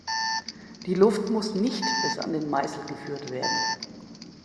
Die Luft muss nicht bis an den Meißel geführt werden.